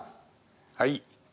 はい。